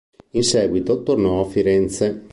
In seguito tornò a Firenze.